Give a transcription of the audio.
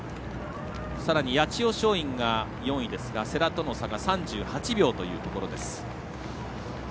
さらに八千代松陰が４位世羅との差が３８秒というところ。